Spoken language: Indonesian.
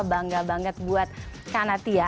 bangga banget buat kanatia